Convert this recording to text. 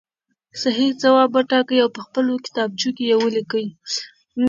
صحیح ځواب وټاکئ او په خپلو کتابچو کې یې ولیکئ.